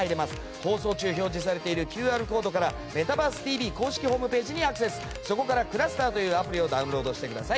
放送中表示されているＱＲコードからメタバースホームページにアクセスしてそこからｃｌｕｓｔｅｒというアプリをダウンロードしてください。